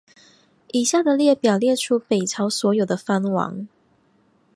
以下的列表列出北朝所有的藩王。